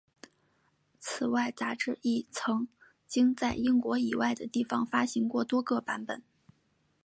此外杂志亦曾经在英国以外的地方发行过多个版本。